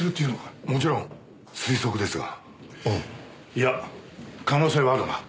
いや可能性はあるな。